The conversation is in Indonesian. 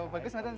bagus mbak putri